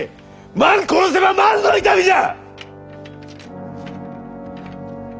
万殺せば万の痛みじゃ！